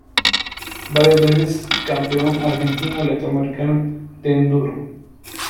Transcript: Varias veces campeón argentino y latinoamericano de enduro.